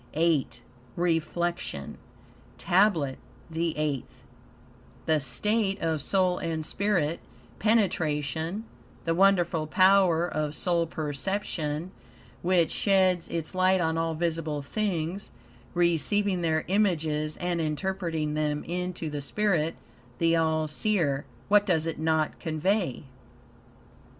VIII REFLECTION TABLET THE EIGHTH The state of soul and spirit penetration; the wonderful power of soul perception, which sheds its light on all visible things, receiving their images and interpreting them into the spirit, the all seer what does it not convey?